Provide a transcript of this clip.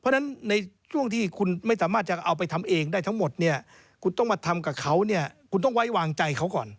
เพราะฉะนั้นในช่วงที่คุณไม่สามารถจะเอาไปทำเองได้ทั้งหมดเนี่ยคุณต้องมาทำกับเขาเนี่ยคุณต้องไว้วางใจเขาก่อน